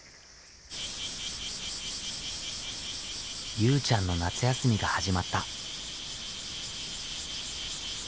ゆうちゃんの夏休みが始まった。